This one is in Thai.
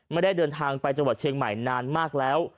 ไม่ได้เดินทางไปจังหวัดเชียงใหม่นานมากแล้ว